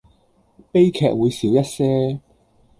悲劇會少一些